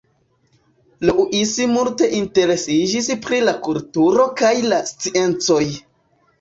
Louis multe interesiĝis pri la kulturo kaj la sciencoj.